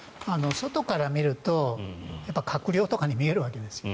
外から見ると閣僚とかに見えるわけですよ。